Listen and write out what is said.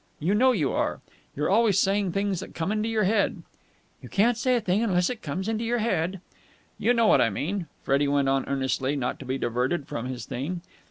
You know you are! You are always saying things that come into your head." "You can't say a thing unless it comes into your head." "You know what I mean," Freddie went on earnestly, not to be diverted from his theme.